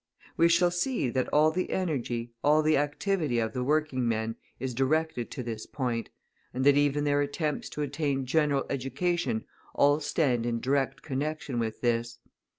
We shall see that all the energy, all the activity of the working men is directed to this point, and that even their attempts to attain general education all stand in direct connection with this.